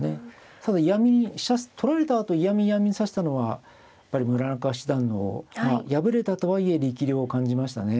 ただ飛車取られたあと嫌み嫌みに指したのはやっぱり村中七段の敗れたとはいえ力量を感じましたね。